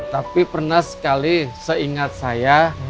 tapi pernah sekali seingat saya